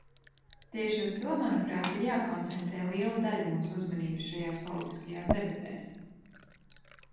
Tieši uz to, manuprāt, ir jākoncentrē liela daļa mūsu uzmanības šajās politiskajās debatēs.